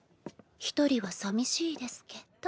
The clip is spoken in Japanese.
１人はさみしいですけど。